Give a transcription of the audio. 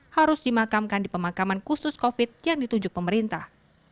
harus dimakamkan di pemakaman khusus covid yang ditunjuk pemerintah